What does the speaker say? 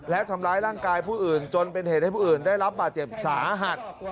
และทำร้ายร่างกายผู้อื่นจนเป็นเหตุให้ผู้อื่นได้รับบาดเจ็บสาหัส